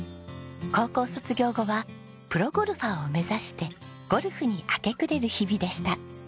高校卒業後はプロゴルファーを目指してゴルフに明け暮れる日々でした。